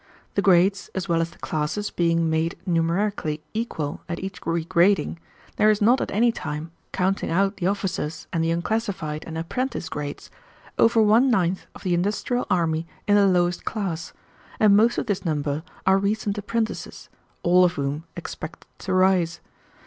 The grades as well as the classes being made numerically equal at each regrading, there is not at any time, counting out the officers and the unclassified and apprentice grades, over one ninth of the industrial army in the lowest class, and most of this number are recent apprentices, all of whom expect to rise.